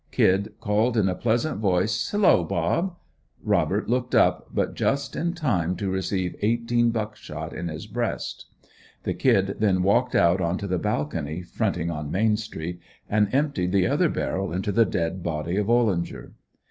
"Kid" called in a pleasant voice: "Hello, Bob!" Robert looked up, but just in time to receive eighteen buck shot in his breast. The "Kid" then walked out onto the balcony, fronting on Main street, and emptied the other barrel into the dead body of Ollinger.